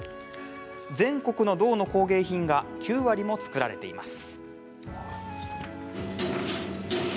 全国の銅の工芸品が９割も作られています。